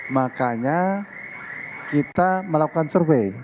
makanya kita melakukan survei